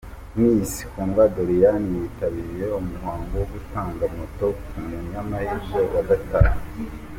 Miss Kundwa Doriane yitabiriye umuhango wo gutanga Moto ku munyamahirwe wa gatanu.